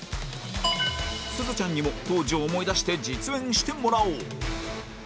すずちゃんにも当時を思い出して実演してもらおう